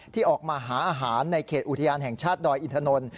ที่ออกมาหาอาหารในเขตอุทยานแห่งชาติดอยอินทนนท์